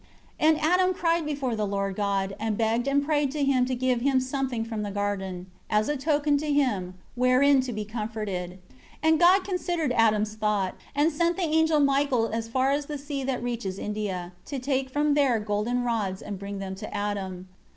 5 And Adam cried before the Lord God, and begged and prayed to Him to give him something from the garden, as a token to him, wherein to be comforted. 6 And God considered Adam's thought, and sent the angel Michael as far as the sea that reaches India, to take from there golden rods and bring them to Adam.